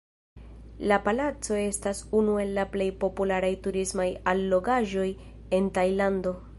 La palaco estas unu el la plej popularaj turismaj allogaĵoj en Tajlando.